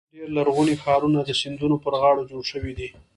ډېری لرغوني ښارونه د سیندونو پر غاړو جوړ شوي دي.